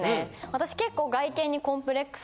私結構。